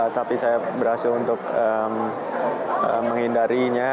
tapi saya berhasil untuk menghindarinya